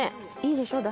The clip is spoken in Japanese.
いいでしょう。